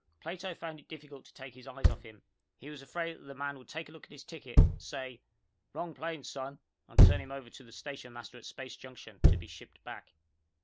Plato found it difficult to take his eyes off him. He was afraid that the man would take a look at his ticket, say, "Wrong plane, son," and turn him over to the stationmaster at Space Junction, to be shipped back.